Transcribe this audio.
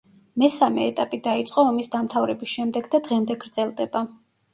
მესამე ეტაპი დაიწყო ომის დამთავრების შემდეგ და დღემდე გრძელდება.